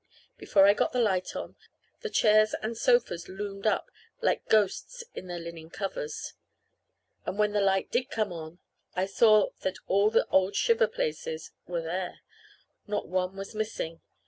Before I got the light on, the chairs and sofas loomed up like ghosts in their linen covers. And when the light did come on, I saw that all the old shiver places were there. Not one was missing.